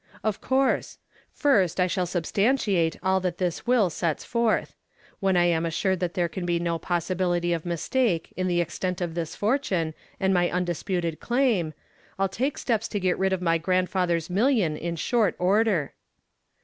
"Of course. First I shall substantiate all that this will sets forth. When I am assured that there can be no possibility of mistake in the extent of this fortune and my undisputed claim, I'll take steps to get rid of my grandfather's million in short order."